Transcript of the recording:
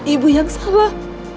ibu yang salah